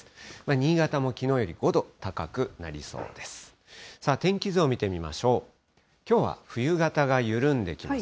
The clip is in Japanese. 新潟もきのうより５度高くなりそうです。